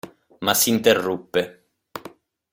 Ma s'interruppe.